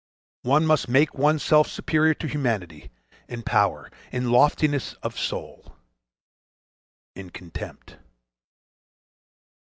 —One must make one's self superior to humanity, in power, in loftiness of soul,—in contempt.